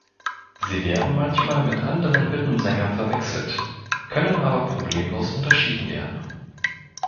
Sie werden manchmal mit anderen Hüttensängern verwechselt, können aber problemlos unterschieden werden.